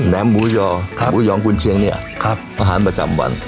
แหน้มบูยองกุลเชียงเนี้ยอาหารประจำวัน